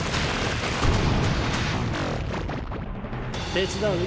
手伝う？